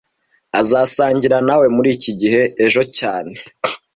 Azasangira nawe muri iki gihe ejo cyane